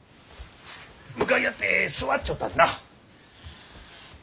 向かい合って座っちょったでな。